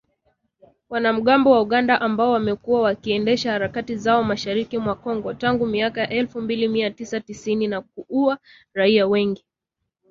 wanamgambo wa Uganda ambao wamekuwa wakiendesha harakati zao mashariki mwa Kongo tangu miaka ya elfu mbili mia tisa tisini na kuua raia wengi